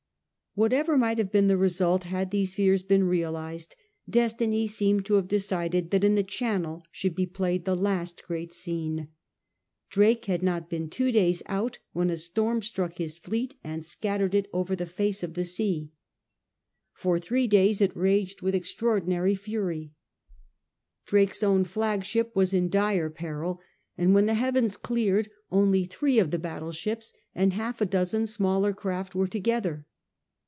Whatever might have been the result had these fears been realised, destiny seemed to have decided that in the Channel should be played the last great scene. Drake had not been two days out when a storm struck his fleet and scattered it over the 128 SIR FRANCIS DRAKE chap. face of the sea. For three days it raged with extrar ordinary fury. Drake's own flagship was in dire peril, and when the heavens cleared only three of the battle ships and half a dozen smaller craft were together.